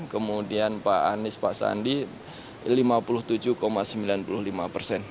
kemudian pak anies pak sandi lima puluh tujuh sembilan puluh lima persen